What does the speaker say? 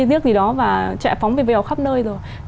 giết gì đó và chạy phóng về vèo khắp nơi rồi